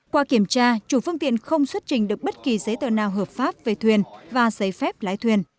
qua kiểm tra chủ phương tiện không xuất trình được bất kỳ giấy tờ nào hợp pháp về thuyền và giấy phép lái thuyền